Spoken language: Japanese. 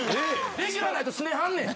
レギュラー無いと拗ねはんねん。